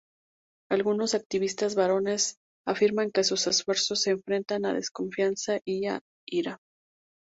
Algunos activistas varones afirman que sus esfuerzos se enfrentan a desconfianza y a ira.